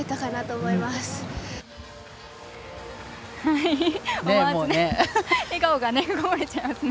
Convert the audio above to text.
思わず笑顔がこぼれちゃいますね。